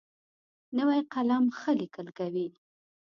نوی قلم ښه لیکل کوي